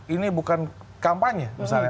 ini bukan kampanye misalnya